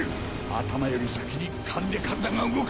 頭より先に勘で体が動く。